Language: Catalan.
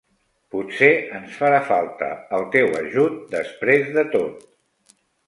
Potser ens farà falta el teu ajut després de tot.